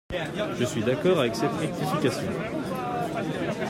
Je suis d’accord avec cette rectification.